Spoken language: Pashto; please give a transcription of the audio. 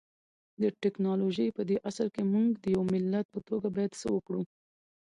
د ټکنالوژۍ پدې عصر کي مونږ د يو ملت په توګه بايد څه وکړو؟